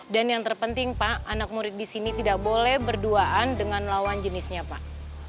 dan yang terpenting pak anak murid di sini tidak boleh berduaan dengan lawan jenisnya pak